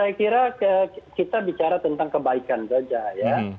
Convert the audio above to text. saya kira kita bicara tentang kebaikan saja ya